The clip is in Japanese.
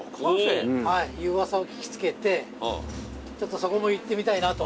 噂を聞きつけてちょっとそこも行ってみたいなと。